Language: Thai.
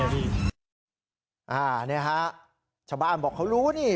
นี่ฮะชาวบ้านบอกเขารู้นี่